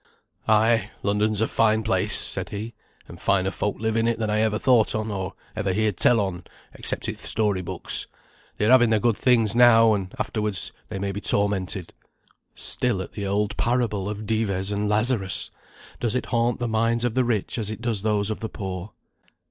"Ay, London's a fine place," said he, "and finer folk live in it than I ever thought on, or ever heerd tell on except in th' story books. They are having their good things now, that afterwards they may be tormented." Still at the old parable of Dives and Lazarus! Does it haunt the minds of the rich as it does those of the poor?